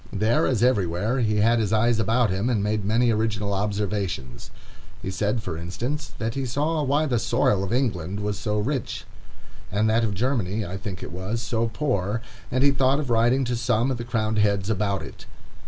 There, as everywhere, he had his eyes about him, and made many original observations. He said, for instance, that he saw why the soil of England was so rich, and that of Germany (I think it was) so poor, and he thought of writing to some of the crowned heads about it.